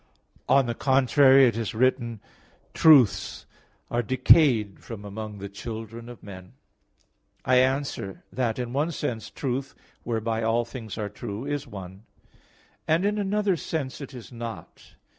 On the contrary, it is written (Ps. 11:2), "Truths are decayed from among the children of men." I answer that, In one sense truth, whereby all things are true, is one, and in another sense it is not.